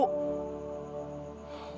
gue udah tahu